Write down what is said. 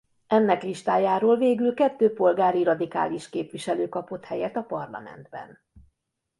Ennek listájáról végül kettő polgári radikális képviselő kapott helyet a parlamentben.